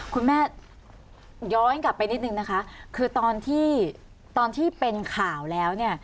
คุณแม่ย้อนกลับไปนิดนึงนะคะคือตอนที่ตอนที่เป็นข่าวแล้วเนี่ย